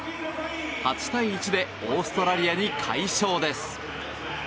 ８対１でオーストラリアに快勝です。